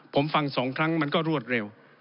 ผมฟัง๒ครั้งมันก็รวดเร็ว